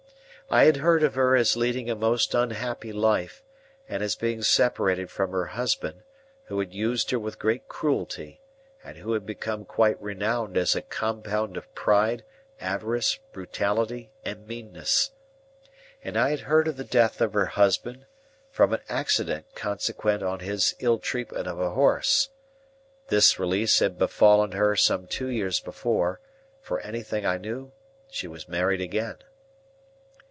I had heard of her as leading a most unhappy life, and as being separated from her husband, who had used her with great cruelty, and who had become quite renowned as a compound of pride, avarice, brutality, and meanness. And I had heard of the death of her husband, from an accident consequent on his ill treatment of a horse. This release had befallen her some two years before; for anything I knew, she was married again.